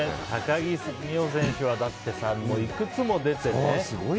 高木美帆選手はだって、いくつも出てね。